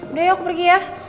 udah yuk aku pergi ya